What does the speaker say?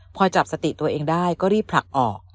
พอจับสติตัวเองได้ก็รีบผลักออก